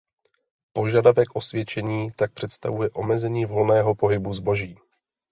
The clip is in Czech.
Požadavek osvědčení tak představuje omezení volného pohybu zboží.